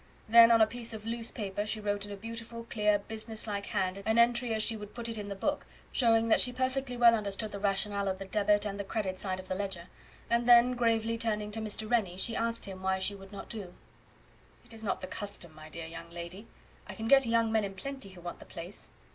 Then on a piece of loose paper she wrote in a beautiful, clear, businesslike hand an entry as she would put it in the book, showing that she perfectly well understood the RATIONALE of the Dr. and the Cr. side of the ledger; and then gravely turning to Mr. Rennie, she asked him why she would not do. "It is not the custom, my dear young lady; I can get young men in plenty who want the place."